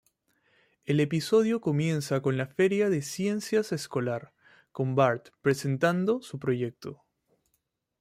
El episodio comienza con la feria de ciencias escolar, con Bart presentando su proyecto.